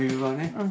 うん。